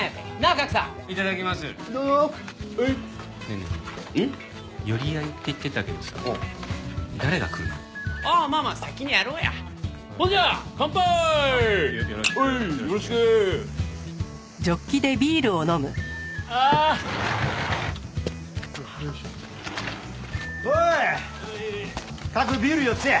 賀来ビール４つや。